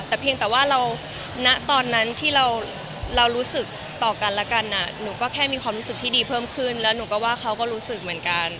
แต่เพียงแต่ว่าเราณตอนนั้นที่เรารู้สึกต่อกันและกันหนูก็แค่มีความรู้สึกที่ดีเพิ่มขึ้นแล้วหนูก็ว่าเขาก็รู้สึกเหมือนกัน